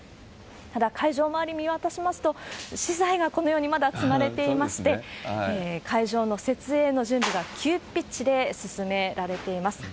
ただ会場周り見渡しますと、資材がこのようにまだ積まれていまして、会場の設営の準備が急ピッチで進められています。